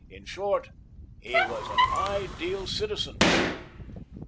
In short he was an ideal citizen.